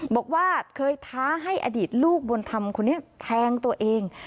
บอกว่าเคยท้าให้อดีตลูกบุญธรรมคนนี้แทงตัวเอง